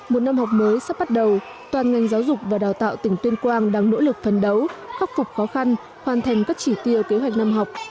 một năm học mới sắp bắt đầu toàn ngành giáo dục và đào tạo tỉnh tuyên quang đang nỗ lực phân đấu khắc phục khó khăn hoàn thành các chỉ tiêu kế hoạch năm học